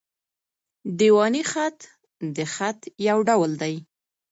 دېواني خط؛ د خط یو ډول دﺉ.